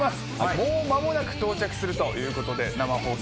もう間もなく到着するということで生放送